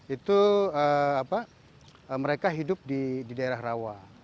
itu mereka hidup di daerah rawa